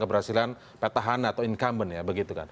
keberhasilan petahana atau incumbent